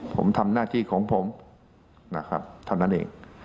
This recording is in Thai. ผมทำหน้าที่ของผมนะครับเท่านั้นเอง